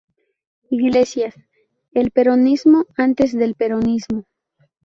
Iglesias: El peronismo antes del peronismo.